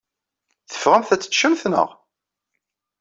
Teffɣemt ad teččemt, naɣ?